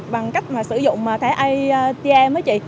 bằng cách mà sử dụng thẻ a